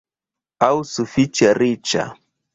aŭ sufiĉe riĉa?